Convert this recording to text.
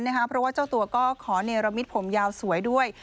เพราะว่าเจ้าตัวก็ขอเนรมิตผมยาวสวยด้วย